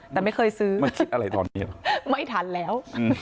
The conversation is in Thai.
แต่ไม่เคยซื้อมาคิดอะไรตอนนี้หรอไม่ทันแล้ว